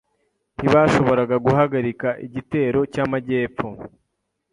Ntibashoboraga guhagarika igitero cyamajyepfo.